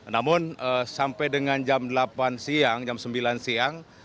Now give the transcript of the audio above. namun sampai dengan jam delapan siang jam sembilan siang